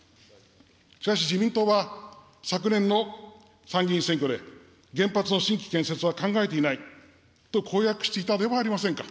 しかし自民党は、昨年の参議院選挙で、原発の新規建設は考えていないと公約していたではありませんか。